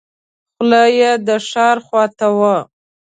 خوله یې د ښار خواته وه.